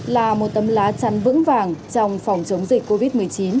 là một tấm lá chắn vững vàng trong phòng chống dịch covid một mươi chín